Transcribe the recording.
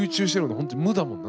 本当無だもんな。